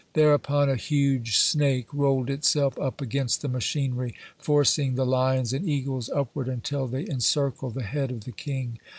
Thereupon a huge snake rolled itself up against the machinery, forcing the lions and eagles upward until they encircled the head of the king.